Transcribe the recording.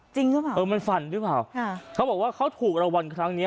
จริงหรอเออมันฝันหรือเปล่าอ่าเขาบอกว่าเขาถูกระวังครั้งนี้